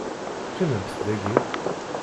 Qqimemt dagi.